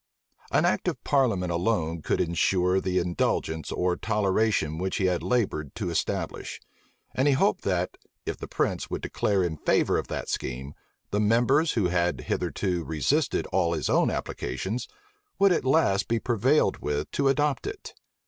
An act of parliament alone could insure the indulgence or toleration which he had labored to establish; and he hoped that, if the prince would declare in favor of that scheme, the members who had hitherto resisted all his own applications, would at last be prevailed with to adopt it.